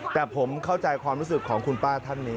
แต่ผมเข้าใจความรู้สึกของคุณป้าท่านนี้